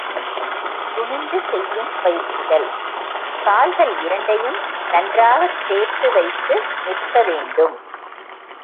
குனிந்து செய்யும் பயிற்சிகள் கால்கள் இரண்டையும் நன்றாகச் சேர்த்து வைத்து நிற்க வேண்டும்.